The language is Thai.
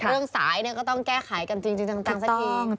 เรื่องสายก็ต้องแก้ไขกันจริงจังสักที